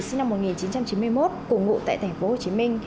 sinh năm một nghìn chín trăm chín mươi một ngụ tại tp hcm